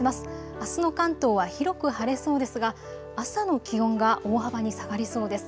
あすの関東は広く晴れそうですが朝の気温が大幅に下がりそうです。